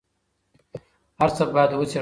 هر څه باید وڅېړل سي.